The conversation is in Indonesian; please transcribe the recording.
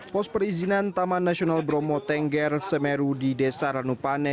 pos perizinan taman nasional bromo tengger semeru di desa ranupane